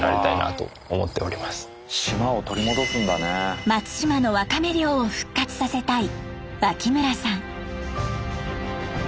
これは松島のワカメ漁を復活させたい脇村さん。